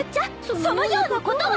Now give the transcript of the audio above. そのようなことは！